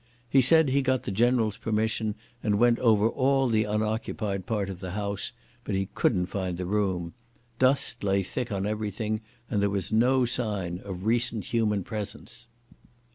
He said he got the General's permission and went over all the unoccupied part of the house, but he couldn't find the room. Dust lay thick on everything, and there was no sign of recent human presence.